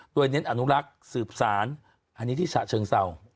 โดยเน้นอนุรักษ์สืบสารอันนี้ที่ฉะเชิงเศร้า